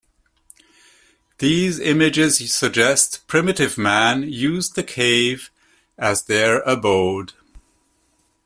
These images suggest primitive man used the cave as their abode.